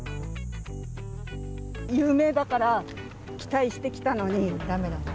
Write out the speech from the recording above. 有名だから期待して来たのに。